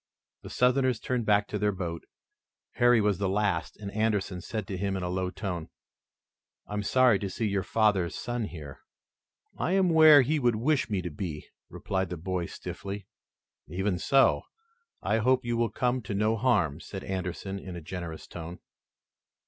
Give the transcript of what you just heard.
The Southerners turned back to their boat. Harry was the last and Anderson said to him in a low tone: "I am sorry to see your father's son here." "I am where he would wish me to be," replied the boy stiffly. "Even so, I hope you will come to no harm," said Anderson in a generous tone.